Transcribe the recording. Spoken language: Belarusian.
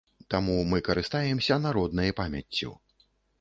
Таму мы карыстаемся народнай памяццю.